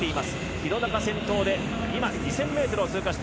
廣中が先頭で今、２０００ｍを通過。